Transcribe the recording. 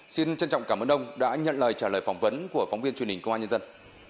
xin trân trọng cảm ơn ông đã nhận lời trả lời phỏng vấn của phóng viên truyền hình công an nhân dân